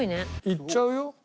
いっちゃうよ